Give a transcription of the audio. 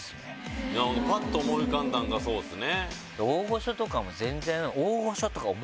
パっと思い浮かんだんがそうですね。